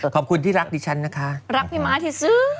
ขอบคุณที่รักดิฉันนะคะรักพี่ม้าที่ซื้อ